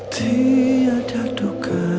tak ada duka